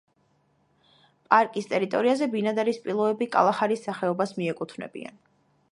პარკის ტერიტორიაზე ბინადარი სპილოები კალაჰარის სახეობას მიეკუთვნებიან.